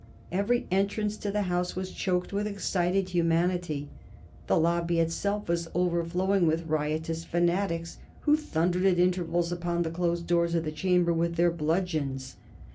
Every entrance to the House was choked with excited humanity. The Lobby itself was overflowing with riotous fanatics, who thundered at intervals upon the closed doors of the Chamber with their bludgeons.